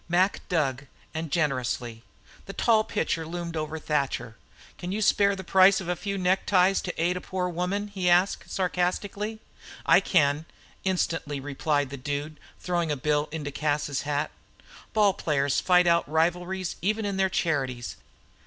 Mac dug, and generously. The tall pitcher loomed over Thatcher. "Can you spare the price of a few neckties to aid a poor woman?" he asked, sarcastically. "I can," instantly replied the Dude throwing a bill into Cas's hat. Ball players fight out rivalries even in their charities.